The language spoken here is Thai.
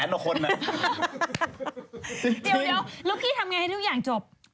จริงเดี๋ยวแล้วพี่ทำอย่างไรให้ทุกอย่างจบ